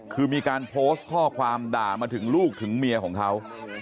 คือมีการโพสต์ข้อความด่ามาถึงลูกถึงเมียของเขา